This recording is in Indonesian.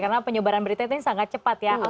karena penyebaran berita itu sangat cepat ya